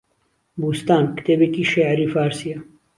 بووستان، کتێبێکی شێعری فارسییە